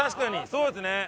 そうですね。